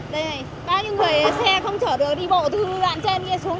đây này bao nhiêu người xe không chở được đi bộ từ đoạn trên kia xuống